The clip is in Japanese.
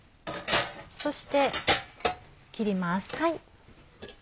そして切ります。